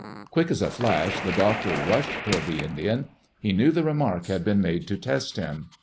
Quick as a flash, the Doctor rushed toward the Indian. He knew the remark had been made to test him.